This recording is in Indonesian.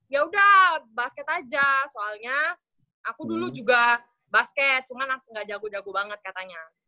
ya udah basket aja soalnya aku dulu juga basket cuman aku gak jago jago banget katanya